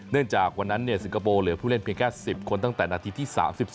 จากวันนั้นสิงคโปร์เหลือผู้เล่นเพียงแค่๑๐คนตั้งแต่นาทีที่๓๒